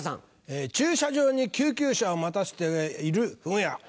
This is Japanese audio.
駐車場に救急車を待たせているふぐ屋。